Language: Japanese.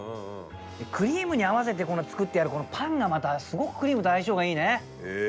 クリームに合わせて作ってあるこのパンがまたすごくクリームと相性がいいね。